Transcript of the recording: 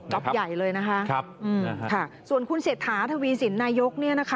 รอบใหญ่เลยนะคะครับนะครับค่ะค่ะส่วนคุณเศรษฐาทวีสินนายก